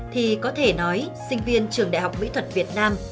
thì có thể nói sinh viên trường đại học mỹ thuật việt nam